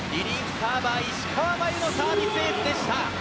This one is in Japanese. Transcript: サーバー石川真佑のサービスエース！